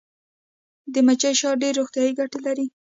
د مچۍ شات ډیرې روغتیایي ګټې لري